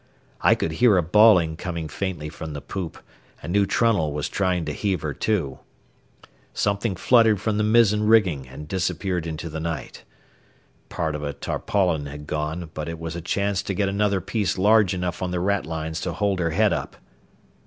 I could hear a bawling coming faintly from the poop and knew Trunnell was trying to heave her to. Something fluttered from the mizzen rigging and disappeared into the night. Part of a tarpaulin had gone, but it was a chance to get another piece large enough on the ratlines to hold her head up.